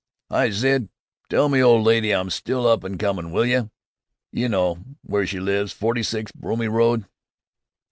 "Hi, Sid! Tell me old lady I'm still up an' comin', will you? You know w'ere she lives, forty six Bromley Road."